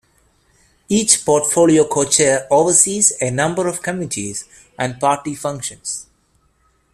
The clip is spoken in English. Each portfolio co-chair oversees a number of committees and party functions.